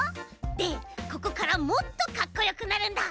でここからもっとかっこよくなるんだ。